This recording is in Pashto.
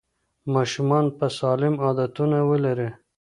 ماشومان به سالم عادتونه ولري.